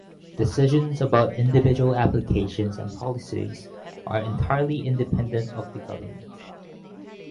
Decisions about individual applications and policies are entirely independent of the Government.